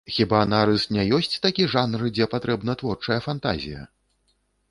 Хіба нарыс не ёсць такі жанр, дзе патрэбна творчая фантазія?